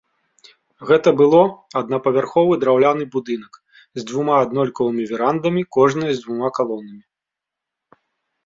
Гэта было адна павярховы драўляны будынак з двума аднолькавымі верандамі, кожная з двумя калонамі.